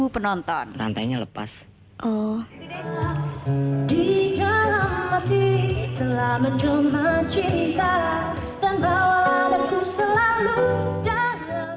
satu ratus enam puluh penonton rantainya lepas oh di dalam hati selama jumat cinta dan bawah